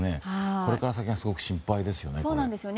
これから先がすごく心配ですよね。